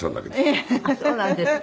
そうなんですか？